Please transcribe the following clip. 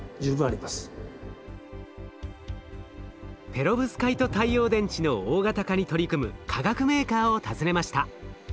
ペロブスカイト太陽電池の大型化に取り組む化学メーカーを訪ねました。